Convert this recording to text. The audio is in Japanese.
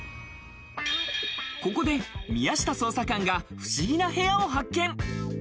ここで宮下捜査官が不思議な部屋を発見。